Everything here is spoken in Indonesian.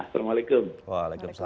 terima kasih ya buat teman teman semua